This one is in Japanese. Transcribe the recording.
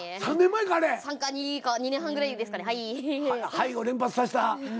「はい」を連発させたあの日。